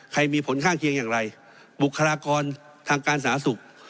มีผลข้างเคียงอย่างไรบุคลากรทางการสาธารณสุข